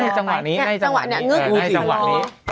นั่นในจังหวะนี้นั่นในจังหวะนี้